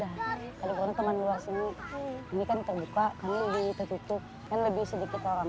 enggak karena taman luas ini ini kan terbuka kan lebih tercutuk kan lebih sedikit orang